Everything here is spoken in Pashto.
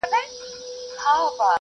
ممکن دی ځان غوښتلې ځان وژنه وکړي.